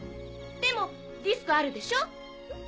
でもディスコあるでしょ？